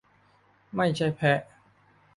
ไม่ใช่แพะ